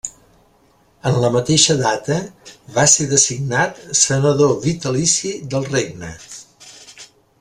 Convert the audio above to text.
En la mateixa data va ser designat senador vitalici del Regne.